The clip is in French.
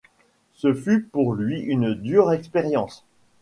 Ce fut pour lui une dure expérience.